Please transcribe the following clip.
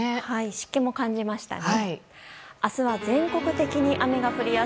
湿気も感じましたね。